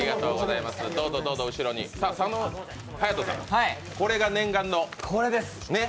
佐野勇斗さん、これが念願の。